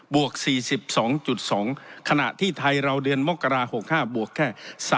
วก๔๒๒ขณะที่ไทยเราเดือนมกรา๖๕บวกแค่๓๐